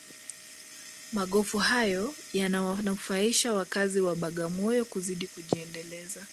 magofu hayo yanawanufaisha wakazi wa bagamoyo kuzidi kujiendeleza